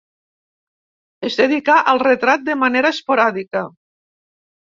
Es dedicà al retrat de manera esporàdica.